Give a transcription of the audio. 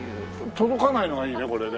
届かないのがいいねこれね。